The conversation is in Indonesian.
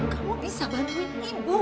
kamu bisa bantuin ibu